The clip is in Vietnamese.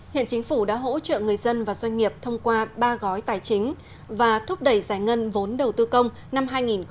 hiện chính phủ đã hỗ trợ người dân và doanh nghiệp thông qua ba gói tài chính và thúc đẩy giải ngân vốn đầu tư công năm hai nghìn hai mươi